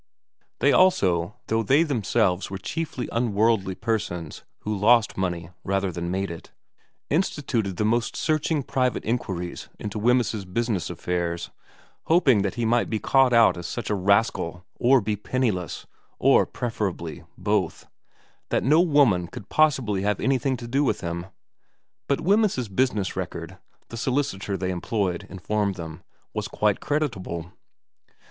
They also, though they them selves were chiefly unworldly persons who lost money rather than made it, instituted the most searching private inquiries into Wemyss's business affairs, hoping that he might be caught out as such a rascal or BO penniless, or, preferably, both, that no woman could possibly have anything to do with him. But Wemyss's business record, the solicitor they employed informed them, was quite creditable.